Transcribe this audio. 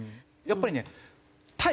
やっぱりね対